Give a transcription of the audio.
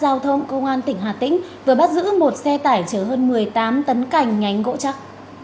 giao thông công an tỉnh hà tĩnh vừa bắt giữ một xe tải chở hơn một mươi tám tấn cành nhánh gỗ chắc